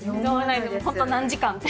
ホント何時間って。